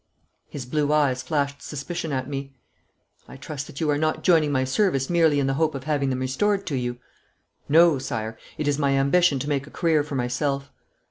His blue eyes flashed suspicion at me. 'I trust that you are not joining my service merely in the hope of having them restored to you.' 'No, Sire. It is my ambition to make a career for myself.'